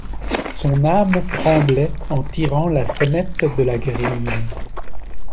Son âme tremblait en tirant la sonnette de la grille.